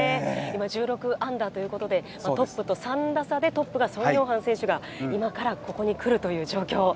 １６アンダーということで、トップと３打差でトップの宋永漢選手が今から、ここに来るという状況。